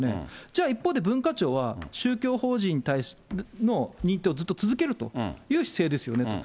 じゃあ一方で、文化庁は、宗教法人の認定をずっと続けるという姿勢ですよねと。